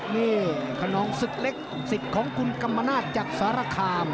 นี่ขนองศึกเล็กสิทธิ์ของคุณกรรมนาศจากสารคาม